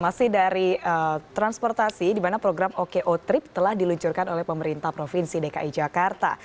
masih dari transportasi di mana program oko trip telah diluncurkan oleh pemerintah provinsi dki jakarta